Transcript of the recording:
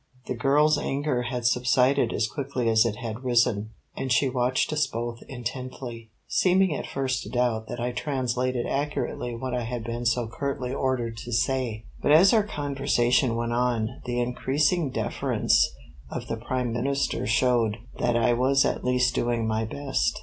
The girl's anger had subsided as quickly as it had risen, and she watched us both intently, seeming at first to doubt that I translated accurately what I had been so curtly ordered to say; but as our conversation went on the increasing deference of the Prime Minister showed that I was at least doing my best.